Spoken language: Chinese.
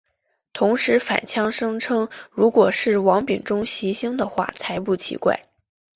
同时反呛声称如果是王炳忠袭胸的话才不奇怪。